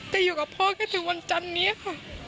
กับพ่อก็ถึงวันจันทร์นี้ค่ะ